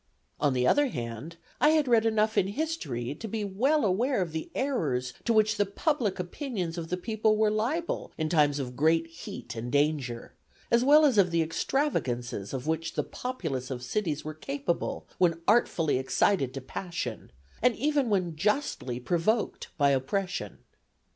On the other hand, I had read enough in history to be well aware of the errors to which the public opinions of the people were liable in times of great heat and danger, as well as of the extravagances of which the populace of cities were capable when artfully excited to passion, and even when justly provoked by oppression.